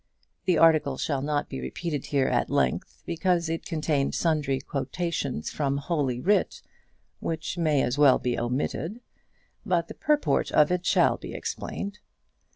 The article shall not be repeated here at length, because it contained sundry quotations from Holy Writ which may as well be omitted, but the purport of it shall be explained.